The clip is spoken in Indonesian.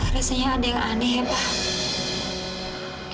rasanya ada yang aneh ya pak